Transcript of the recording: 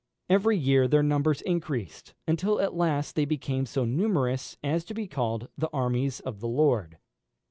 Every year their numbers increased, until at last they became so numerous as to be called the "armies of the Lord."